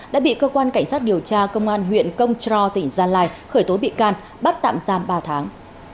đã bị cơ quan cảnh sát điều tra công an huyện công tró tỉnh gia lai khởi tố bị can bắt tạm giam ba tháng